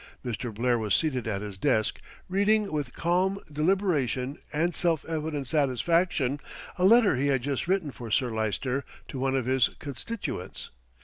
Mr. Blair was seated at his desk reading with calm deliberation and self evident satisfaction a letter he had just written for Sir Lyster to one of his constituents.